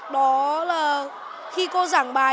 đó là khi cô giảng bài